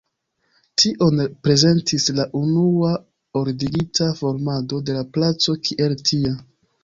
Tion prezentis la unua ordigita formado de la placo kiel tia.